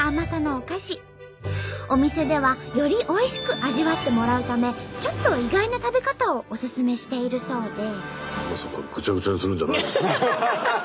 お店ではよりおいしく味わってもらうためちょっと意外な食べ方をおすすめしているそうで。